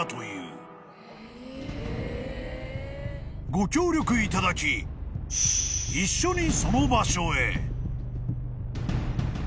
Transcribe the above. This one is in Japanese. ［ご協力いただき一緒に］